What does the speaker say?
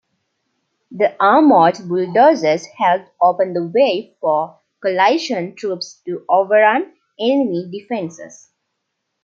The armored bulldozers helped open the way for coalition troops to overrun enemy defenses.